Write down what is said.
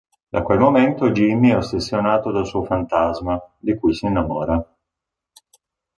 Da quel momento Jimmy è ossessionato dal suo fantasma, di cui si innamora.